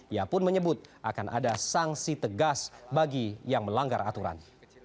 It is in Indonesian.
ia pun menyebut akan ada sanksi tegas bagi yang melanggar aturan